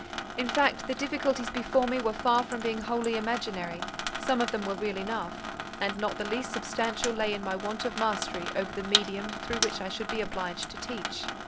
In fact, the difficulties before me were far from being wholly imaginary; some of them were real enough; and not the least substantial lay in my want of mastery over the medium through which I should be obliged to teach.